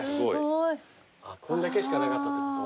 こんだけしかなかったってこと？